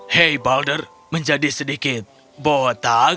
hei balder menjadi sedikit botak